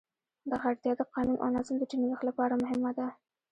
دغه اړتیا د قانون او نظم د ټینګښت لپاره مهمه ده.